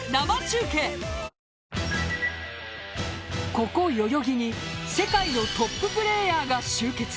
ここ代々木に世界のトッププレーヤーが集結。